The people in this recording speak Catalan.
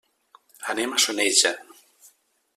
Anem a Soneja.